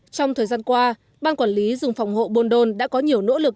trong thời gian qua ban quản lý rừng phòng hộ buôn đôn đã có nhiều nỗ lực